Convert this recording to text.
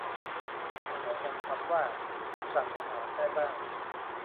มีคำไหนแทนคำว่า 'สั่งอาหาร' ได้บ้าง